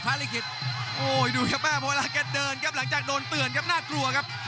แรกแดดเดินครับหลังจากโดนเตือนนะครับ